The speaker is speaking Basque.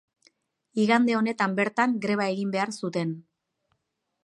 Igande honetan bertan greba egin behar zuten.